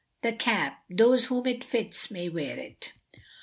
"THE CAP, THOSE WHOM IT FITS MAY WEAR IT."